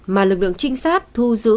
mà lực lượng trinh sát thu giữ